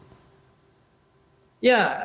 tentu kita berharap